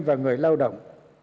và người lao động